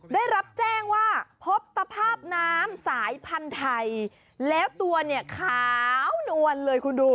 ได้รับแจ้งว่าพบตภาพน้ำสายพันธุ์ไทยแล้วตัวเนี่ยขาวนวลเลยคุณดู